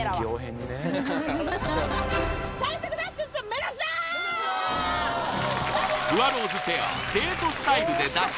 目指すぞーフワローズペアデートスタイルで脱出